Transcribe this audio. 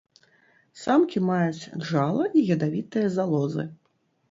Самкі маюць джала і ядавітыя залозы.